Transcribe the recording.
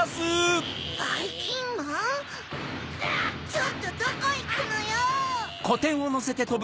ちょっとどこいくのよ！